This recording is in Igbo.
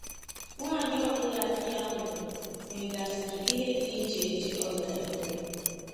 nwaanyị ọbụla di ya nwụrụ nwègàsịrị ihe dị iche iche ọ ga-eme